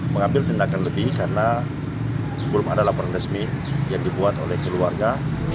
mengambil tindakan lebih karena belum ada laporan resmi yang dibuat oleh keluarga